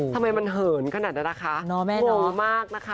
ทำไมมันเหินขนาดนั้นนะคะ